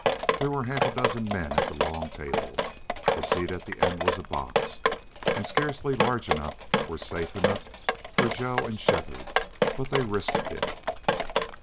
There were half a dozen men at the long table. The seat at the end was a box, and scarcely large enough or safe enough for Joe and Shefford, but they risked it.